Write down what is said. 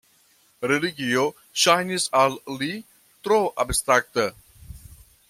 Religio ŝajnis al li tro abstrakta.